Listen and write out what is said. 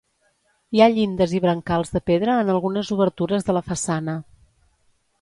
Hi ha llindes i brancals de pedra en algunes obertures de la façana.